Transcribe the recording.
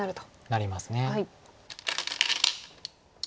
なります。